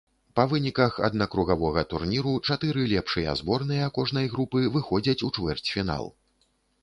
Па выніках аднакругавога турніру чатыры лепшыя зборныя кожнай групы выходзяць у чвэрцьфінал.